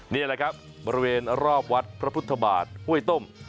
นี่แหละครับบริเวณรอบวัดพระพุทธบาทห้วยต้ม